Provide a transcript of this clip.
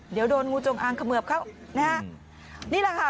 เดี๋ยวโดนงูจงอางเขมือบเข้านะฮะนี่แหละค่ะ